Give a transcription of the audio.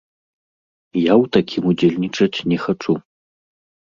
Я ў такім удзельнічаць не хачу.